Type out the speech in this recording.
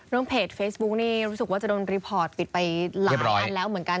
เพจเฟซบุ๊กนี่รู้สึกว่าจะโดนรีพอร์ตปิดไปหลายอันแล้วเหมือนกัน